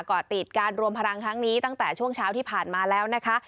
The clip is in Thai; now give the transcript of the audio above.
เกาะติดการรวมพลังครั้งนี้ตั้งแต่ช่วงเช้าที่ผ่านมาแล้วนะคะ